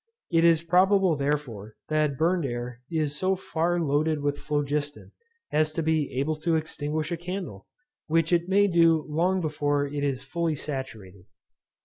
It is probable, therefore, that burned air is air so far loaded with phlogiston, as to be able to extinguish a candle, which it may do long before it is fully saturated.